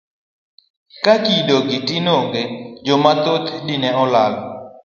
Ka kido gi tim onge, joma dhoth dine olal.